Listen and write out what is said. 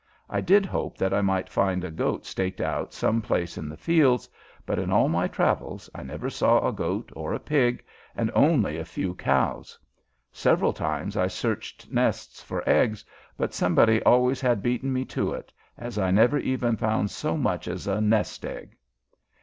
I did hope that I might find a goat staked out some place in the fields, but in all my travels I never saw a goat or a pig, and only a few cows. Several times I searched nests for eggs, but somebody always had beaten me to it, as I never even found so much as a nest egg.